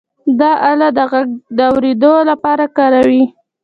دا آله د غږ د لوړېدو لپاره کاروي.